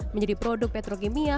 menjadi produk petrokimia